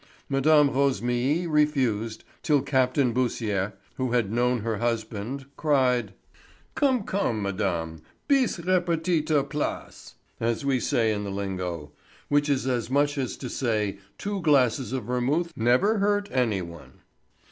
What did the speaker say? Mme. Rosémilly refused, till Captain Beausire, who had known her husband, cried: "Come, come, madame, bis repetita placent, as we say in the lingo, which is as much as to say two glasses of vermouth never hurt any one.